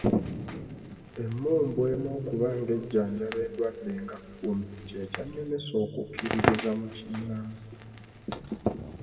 Emmumbwa emu okuba ng'ejjanjaba endwadde nga kkumi kye kyannemesa okukkiririza mu kinnansi.